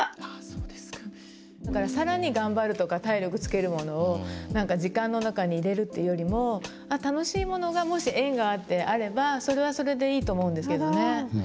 だから更に頑張るとか体力つけるものをなんか時間の中に入れるっていうよりも楽しいものがもし縁があればそれはそれでいいと思うんですけどね。